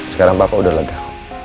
sekarang papa udah lega